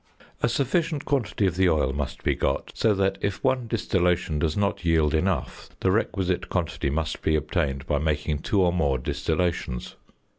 ~ A sufficient quantity of the oil must be got, so that if one distillation does not yield enough, the requisite quantity must be obtained by making two or more distillations.